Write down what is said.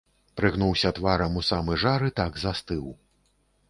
Прыгнуўся тварам у самы жар і так застыў.